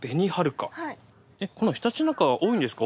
ひたちなかは多いんですか？